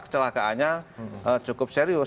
kecelakaannya cukup serius